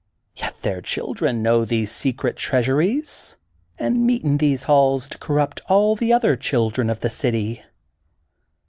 Tet their children know these secret treas uries and meet in these halls to corrupt all the other children of the city.